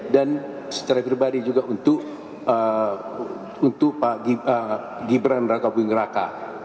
dan secara pribadi juga untuk pak gibran raka buing raka